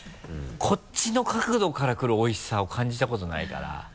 こっちの角度から来るおいしさを感じたことないから。